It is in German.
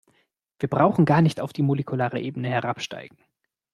Wir brauchen gar nicht auf die molekulare Ebene herabsteigen.